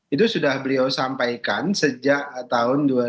itu sudah beliau sampaikan sejak tahun dua ribu dua puluh satu dua ribu dua puluh dua